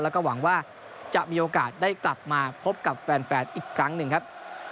แล้วก็หวังว่าจะมีโอกาสได้กลับมาพบกับแฟนอีกครั้งหนึ่งครับ